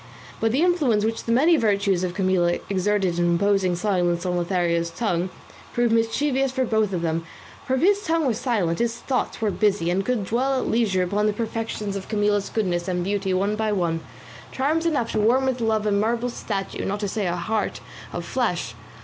But the influence which the many virtues of Camilla exerted in imposing silence on Lothario's tongue proved mischievous for both of them, for if his tongue was silent his thoughts were busy, and could dwell at leisure upon the perfections of Camilla's goodness and beauty one by one, charms enough to warm with love a marble statue, not to say a heart of flesh.